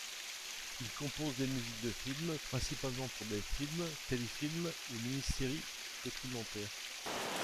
Il compose des musiques de film, principalement pour des films, téléfilms ou miniséries documentaires.